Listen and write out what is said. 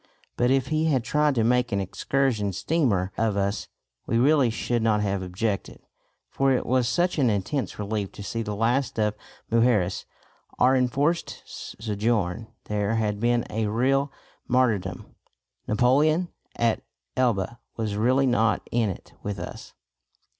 But if he had tried to make an excursion steamer of us, we really should not have objected, for it was such an intense relief to see the last of Mujeres. Our enforced sojourn there had been a real martyrdom. Napoleon at Elba was really not in it with us.